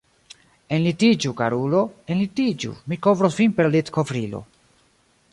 Enlitiĝu, karulo, enlitiĝu, mi kovros vin per litkovrilo.